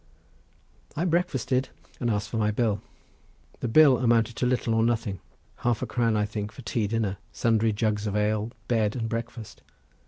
I breakfasted and asked for my bill; the bill amounted to little or nothing—half a crown I think for tea dinner, sundry jugs of ale, bed and breakfast.